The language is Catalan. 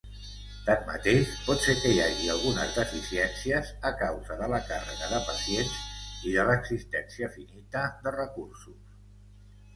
Tanmateix, pot ser que hi hagi algunes deficiències a causa de la càrrega de pacients i de l'existència finita de recursos.